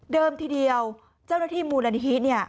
เดิมทีเดียวเจ้าหน้าที่มูลนิธิ